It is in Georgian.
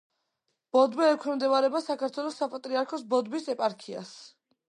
ბოდბე ექვემდებარება საქართველოს საპატრიარქოს ბოდბის ეპარქიას.